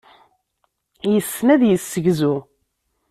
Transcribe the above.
Yessen ad yessegzu.